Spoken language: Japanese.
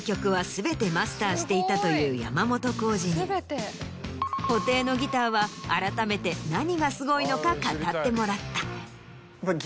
していたという山本耕史に布袋のギターはあらためて何がすごいのか語ってもらった。